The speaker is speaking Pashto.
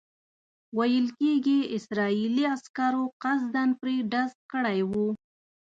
ویل کېږي اسرائیلي عسکرو قصداً پرې ډز کړی وو.